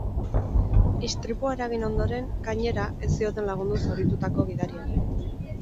Istripua eragin ondoren, gainera, ez zioten lagundu zauritutako gidariari.